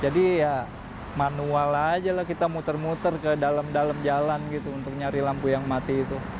jadi ya manual aja lah kita muter muter ke dalam dalam jalan gitu untuk nyari lampu yang mati